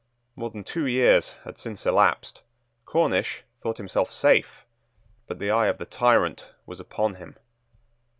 More than two years had since elapsed. Cornish thought himself safe; but the eye of the tyrant was upon him.